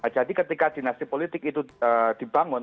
jadi ketika dinasti politik itu dibangun